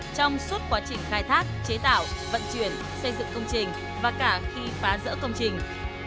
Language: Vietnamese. trong suốt quá trình khai thác chế tạo vận chuyển xây dựng công trình và cả khi phá rỡ công trình